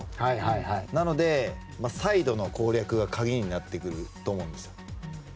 なので、サイドの攻略が鍵になってくると思います。